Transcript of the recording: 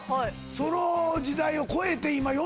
その時代を超えて今４０？